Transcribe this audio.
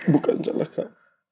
bukan salah kak